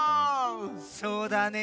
そうだね。